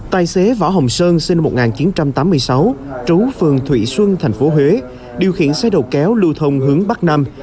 tài xế võ hồng sơn sinh năm một nghìn chín trăm tám mươi sáu trú phường thụy xuân tp huế điều khiển xe đầu kéo lưu thông hướng bắc nam